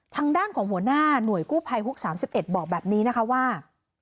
ทางด้านของหัวหน้าหน่วยกู้ภัยฮุก๓๑บอกแบบนี้นะคะว่า